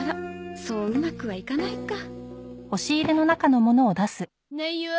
そううまくはいかないかないよ。